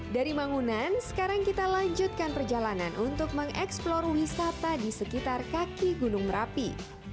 dari mangunan sekarang kita lanjutkan perjalanan untuk mengeksplor wisata di sekitar kaki gunung merapi